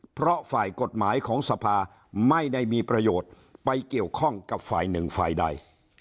เพราะฝ่ายกฎหมายของสภาไม่ได้มีประโยชน์ไปเกี่ยวข้องกับฝ่ายหนึ่งฝ่ายใด